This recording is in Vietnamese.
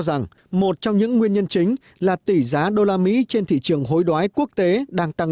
rằng một trong những nguyên nhân chính là tỷ giá đô la mỹ trên thị trường hối đoái quốc tế đang tăng